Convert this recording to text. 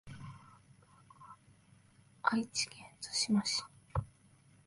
愛知県津島市